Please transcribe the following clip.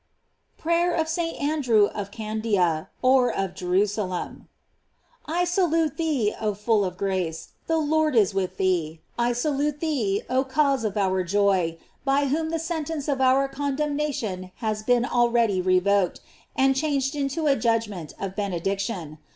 PRAYER OF ST. ANDREW OF CANDIA, Ol* OF JERU SALEM. I SALUTE thee, oh full of grace! the Lord is with thee. I salute thee, oh cause of our joy, by whom the sentence of our condemnation has been already revoked, and changed into a judgment of benediction.